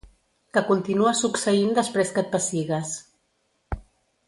Que continua succeint després que et pessigues.